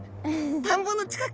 田んぼの近く。